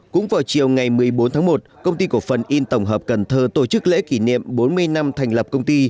cũng vào chiều ngày một mươi bốn tháng một công ty cổ phần in tổng hợp cần thơ tổ chức lễ kỷ niệm bốn mươi năm thành lập công ty